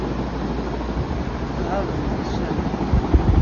Tɣabemt ussan-a.